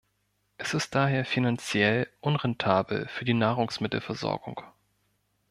Es ist daher finanziell unrentabel für die Nahrungsmittelversorgung.